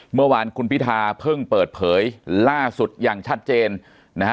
เมื่อวานคุณพิธาเพิ่งเปิดเผยล่าสุดอย่างชัดเจนนะฮะ